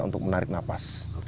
untuk menarik napas